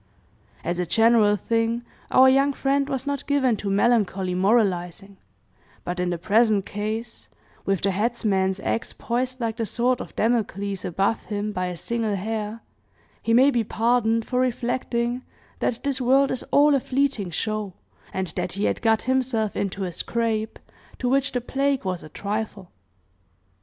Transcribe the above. As a general thing, our young friend was not given to melancholy moralizing, but in the present case, with the headsman's axe poised like the sword of Damocles above him by a single hair, he may be pardoned for reflecting that this world is all a fleeting show, and that he had got himself into a scrape, to which the plague was a trifle.